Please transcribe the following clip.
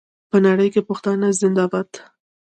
په نړۍ کې پښتانه زنده باد.